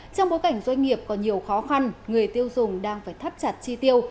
trong bối cảnh doanh nghiệp có nhiều khó khăn người tiêu dùng đang phải thắt chặt chi tiêu